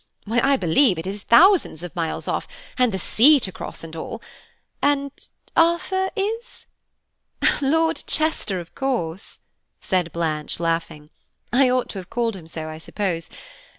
Why, I believe it is thousands of miles off, and the sea to cross and all! And Arthur is?"– "Lord Chester, of course," said Blanche, laughing. "I ought to have called him so, I suppose.